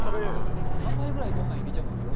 何杯ぐらい、ご飯いけちゃうんですか？